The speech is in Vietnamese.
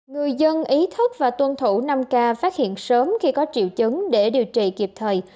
người dân ý thức và tuân thủ năm k phát hiện sớm khi có triệu chứng để điều trị kịp thời